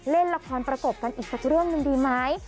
เล่นละครประกบกันอีกสักเรื่องหนึ่งดีไหม